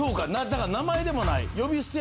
だから名前でもない呼び捨て。